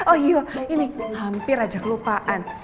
oh iya ini hampir aja kelupaan